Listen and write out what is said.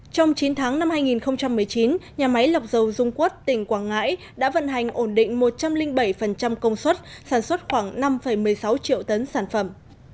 trong chín tháng năm hai nghìn một mươi chín nhà máy lọc dầu dung quất tỉnh quảng ngãi đã vận hành ổn định một trăm linh bảy công suất sản xuất khoảng năm một mươi sáu triệu tấn sản phẩm